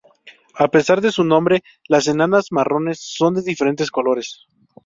A pesar de su nombre, las enanas marrones son de diferentes colores.